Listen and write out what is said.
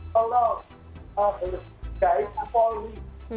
tolong hargai polisi